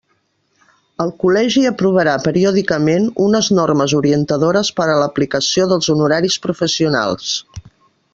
El Col·legi aprovarà periòdicament unes normes orientadores per a l'aplicació dels honoraris professionals.